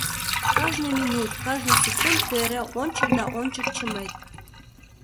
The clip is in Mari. Кажне минут, кажне секунд тый эре ончык да ончык чымет.